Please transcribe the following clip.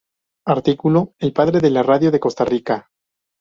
Artículo: El padre de la radio de Costa Rica.